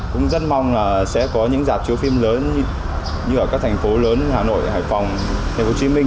cũng rất mong là sẽ có những giạp chiếu phim lớn như ở các thành phố lớn như hà nội hải phòng tp hcm